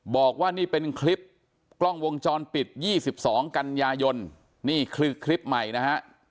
บอกว่านี่เป็นคลิปกล้องวงจรปิด๒๒กันยายนนี่คือคลิปใหม่นะฮะ